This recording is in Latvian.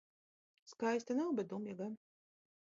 Skaista nav, bet dumja gan...